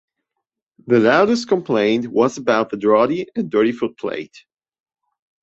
The loudest complaint was about the draughty and dirty footplate.